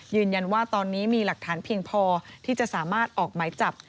ยืนยันว่าตอนนี้มีหลักฐานเพียงพอที่จะสามารถออกหมายจับ